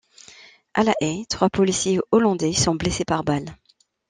À La Haye, trois policiers hollandais sont blessés par balles.